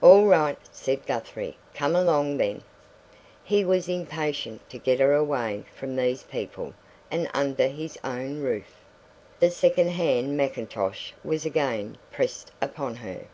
"All right," said Guthrie; "come along, then!" He was impatient to get her away from these people, and under his own roof. The second hand macintosh was again pressed upon her.